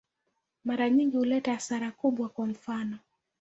Mara nyingi huleta hasara kubwa, kwa mfano.